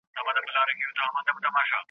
شمع یم یوه شپه په تیاره کي ځلېدلی یم .